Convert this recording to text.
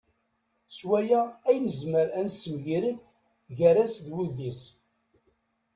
S waya ay nezmer ad nessemgired gar-as d wuddis.